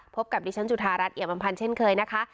พบกับดิฉันจุธารัฐเอกบัมพันธ์เช่นเคยนะคะ